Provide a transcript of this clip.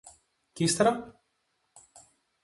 Κι ύστερα;